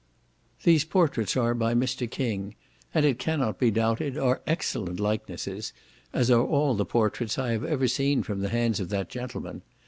These portraits are by Mr. King, and, it cannot be doubted, are excellent likenesses, as are all the portraits I have ever seen from the hands of that gentleman.